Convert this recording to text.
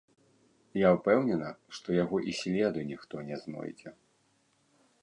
Я ўпэўнена, што яго і следу ніхто не знойдзе.